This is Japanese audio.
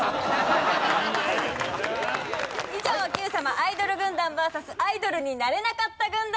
以上『Ｑさま！！』アイドル軍団ＶＳアイドルになれなかった軍団スペシャルでした。